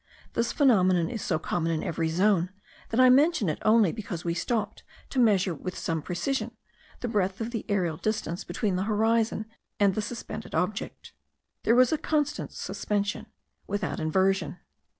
This phenomenon is so common in every zone, that I mention it only because we stopped to measure with some precision the breadth of the aerial distance between the horizon and the suspended object. There was a constant suspension, without inversion.